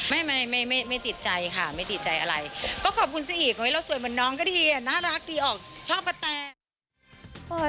ไม่ไม่ติดใจค่ะไม่ติดใจอะไรก็ขอบคุณซะอีกเฮ้ยเราสวยเหมือนน้องก็ดีอ่ะน่ารักดีออกชอบกะแต